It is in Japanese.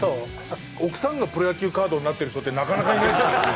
奥さんがプロ野球カードになってる人ってなかなかいないですからね。